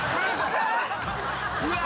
うわ。